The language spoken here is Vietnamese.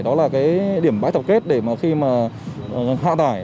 đó là cái điểm bãi tập kết để mà khi mà hạ tải